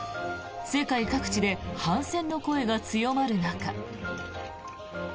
世界各地で反戦の声が強まる中。